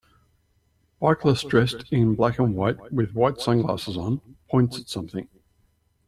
Bicyclist dressed in black and white with white sunglasses on points at something.